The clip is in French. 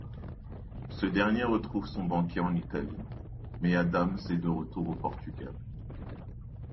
Ce dernier retrouve son baquet en Italie, mais Adams est de retour au Portugal.